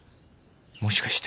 もしかして